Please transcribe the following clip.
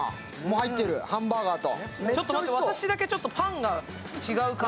入ってる、ハンバーガーと。